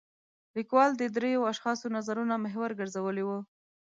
لیکوال د درېو اشخاصو نظرونه محور ګرځولی و.